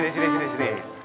nah sini sini sini